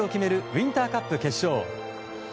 ウインターカップ決勝。